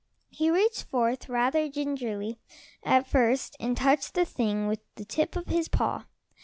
He reached forth, rather gingerly at first, and touched the thing with the tip of his paw.